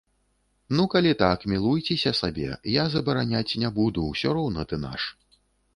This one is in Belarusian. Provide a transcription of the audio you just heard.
Ну, калі так, мілуйцеся сабе, я забараняць не буду, усё роўна ты наш.